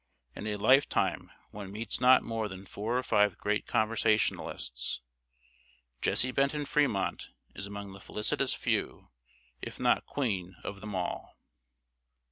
In a lifetime one meets not more than four or five great conversationalists. Jessie Benton Fremont is among the felicitous few, if not queen of them all.